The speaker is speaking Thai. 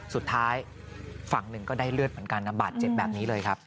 สุดท้ายฝั่งหนึ่งก็ได้เลือดเหมือนกันนะบาดเจ็บแบบนี้เลยครับ